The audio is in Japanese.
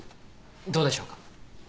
どうでしょうか。